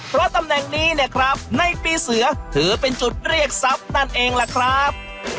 เพราะตำแหน่งนี้เนี่ยครับในปีเสือถือเป็นจุดเรียกทรัพย์นั่นเองล่ะครับ